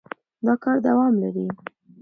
دا کار دوام لري.